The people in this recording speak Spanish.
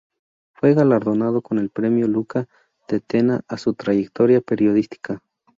Fue galardonado con el Premio Luca de Tena a su trayectoria periodística.